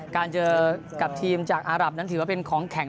การเจอกับทีมจากอารับนั้นถือว่าเป็นของแข็ง